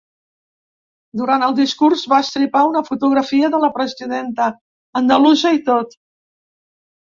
Durant el discurs va estripar una fotografia de la presidenta andalusa i tot.